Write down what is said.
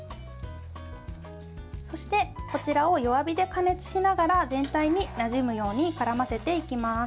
そして、こちらを弱火で加熱しながら全体になじむように絡ませていきます。